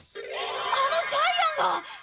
あのジャイアンが！